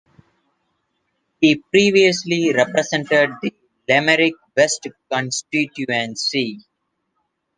He previously represented the Limerick West constituency.